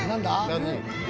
「何？」